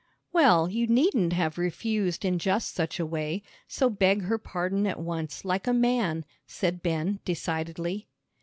"Well, you needn't have refused in just such a way; so beg her pardon at once, like a man," said Ben, decidedly.